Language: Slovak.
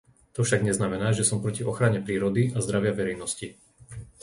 To však neznamená, že som proti ochrane prírody a zdravia verejnosti.